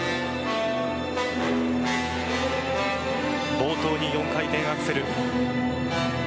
冒頭に４回転アクセル。